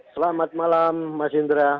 selamat malam mas indra